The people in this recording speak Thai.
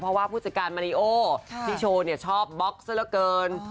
เพราะว่าผู้จัดการมาริโอพี่โชว์ชอบบล็อกซะละเกิน